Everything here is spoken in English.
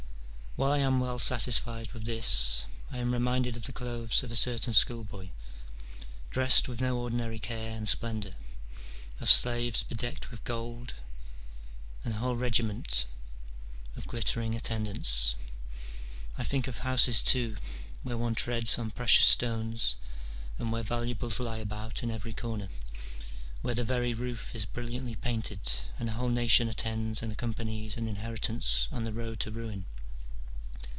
While I am well satisfied with this, I am reminded of the clothes of a certain schoolboy, dressed with no ordinary care and splendour, of slaves bedecked with gold and a whole regi 1 Cf. Juv. ii. 150. 252 MINOR DIALOGUES. [bK. IX. ment of glittering attendants. I think of houses too, where one treads on precious stones, and where valuables lie about in every corner, where the very roof is brilliantly painted, and a whole nation attends and accompanies an inheri tance on the road to ruin.